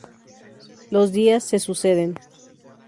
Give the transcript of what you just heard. Los días se suceden.